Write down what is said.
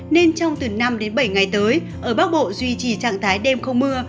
nên trong từ năm đến bảy ngày tới ở bắc bộ duy trì trạng thái đêm không mưa